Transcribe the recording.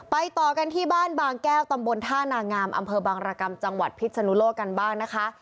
ต่อกันที่บ้านบางแก้วตำบลท่านางามอำเภอบางรกรรมจังหวัดพิษนุโลกกันบ้างนะคะ